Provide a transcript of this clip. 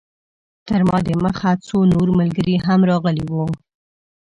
تر ما د مخه څو نور ملګري هم راغلي وو.